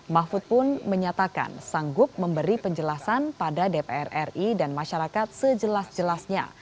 mahfud pun menyatakan sanggup memberi penjelasan pada dpr ri dan masyarakat sejelas jelasnya